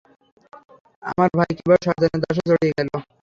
আমার ভাই কিভাবে শয়তানের দাসে জড়িয়ে গেল?